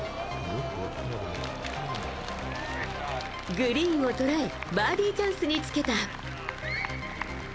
グリーンを捉えバーディーチャンスにつけた。